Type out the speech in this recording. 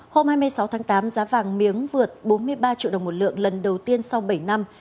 hôm hai mươi sáu tháng tám giá vàng miếng vượt bốn mươi ba triệu đồng một lượng lần đầu tiên sau bảy năm